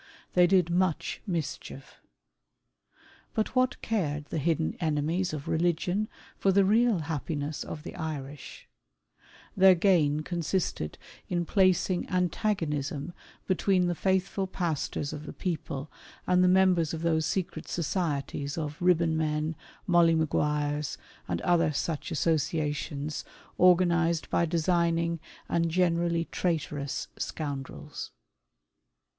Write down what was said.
They did much mischief. But what cared the hidden enemies of religion for the real happiness of the Irish ? Their gain con sisted in placing antagonism between the faithful pastors of the people and the members of those secret societies of Eibbonmen, Molly Maguires, and other such associations, organized by designing and, generally, traitorous scoundrels.